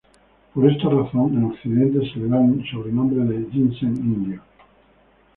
Por esta razón, en Occidente se le da el sobrenombre de ginseng indio.